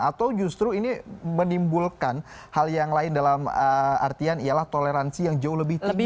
atau justru ini menimbulkan hal yang lain dalam artian ialah toleransi yang jauh lebih tinggi